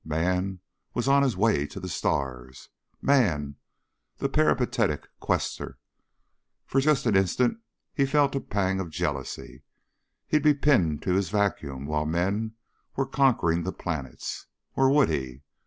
Man was on his way to the stars. MAN the peripatetic quester. For just an instant he felt a pang of jealousy. He'd be pinned to his vacuum while men were conquering the planets. Or would he?